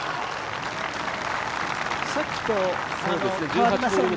さっきと変わりませんね。